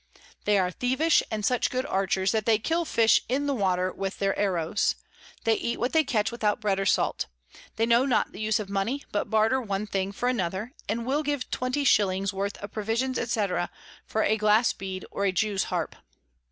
They are thievish, and such good Archers, that they kill Fish in the water with their Arrows. They eat what they catch without Bread or Salt. They know not the Use of Mony, but barter one thing for another, and will give twenty Shillings worth of Provisions, &c. for a Glass Bead or a Jews Harp.